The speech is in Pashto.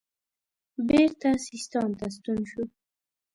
بیرته سیستان ته ستون شو.